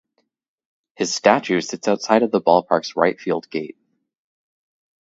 His statue sits outside of the ballpark's right field gate.